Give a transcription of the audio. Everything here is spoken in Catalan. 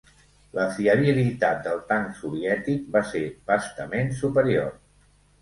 La fiabilitat del tanc soviètic va ser bastament superior.